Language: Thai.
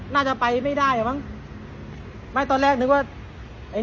น่าจะไปไม่ได้เหรอวะ